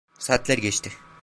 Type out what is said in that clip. Saatler geçti.